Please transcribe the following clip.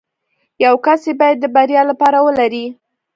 يو کس يې بايد د بريا لپاره ولري.